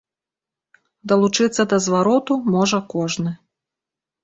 Далучыцца да звароту можа кожны.